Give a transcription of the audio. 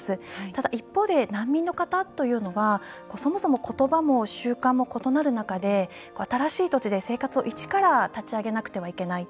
ただ、一方で難民の方というのはそもそも言葉も習慣も異なる中で新しい土地で、生活を一から立ち上げなくてはいけない。